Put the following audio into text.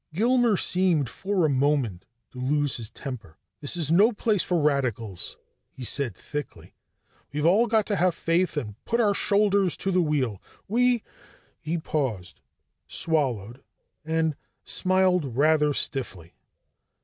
Gilmer seemed, for a moment, to lose his temper. "This is no place for radicals," he said thickly. "We've all got to have faith and put our shoulders to the wheel. We " He paused, swallowed, and smiled rather stiffly.